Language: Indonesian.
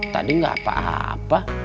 tadi enggak apa apa